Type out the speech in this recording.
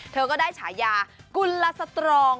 เธอก็ได้ฉายากุลสตรอง